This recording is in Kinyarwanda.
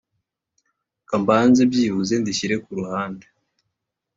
kambanze byibuze ndishyire kuruhande."